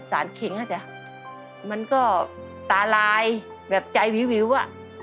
ขิงอ่ะจ๊ะมันก็ตาลายแบบใจวิวอ่ะ